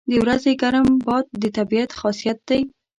• د ورځې ګرم باد د طبیعت خاصیت دی.